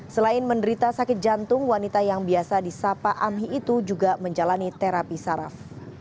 selain menderita sakit jantung wanita yang biasa disapa amhi itu juga menjalani terapi saraf